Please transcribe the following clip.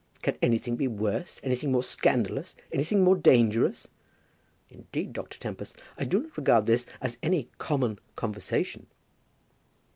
Can anything be worse, anything more scandalous, anything more dangerous? Indeed, Dr. Tempest, I do not regard this as any common conversation."